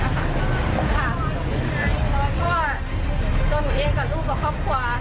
เพราะว่าตัวหนูเองกับลูกกับครอบครัว